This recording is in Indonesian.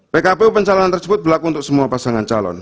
pkpu pencalonan tersebut berlaku untuk semua pasangan calon